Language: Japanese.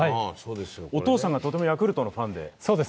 お父さんがヤクルトのファンで。